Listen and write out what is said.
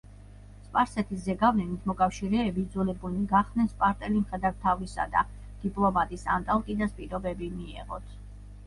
სპარსეთის ზეგავლენით მოკავშირეები იძულებულნი გახდნენ სპარტელი მხედართმთავრისა და დიპლომატის ანტალკიდას პირობები მიეღოთ.